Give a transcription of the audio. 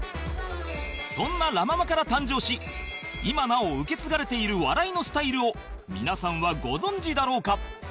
そんなラ・ママから誕生し今なお受け継がれている笑いのスタイルを皆さんはご存じだろうか？